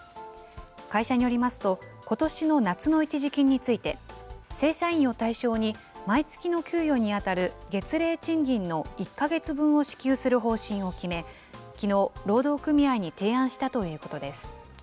会社によりますと、ことしの夏の一時金について、正社員を対象に毎月の給与に当たる月例賃金の１か月分を支給する方針を決め、きのう、労働組合に提案したということです。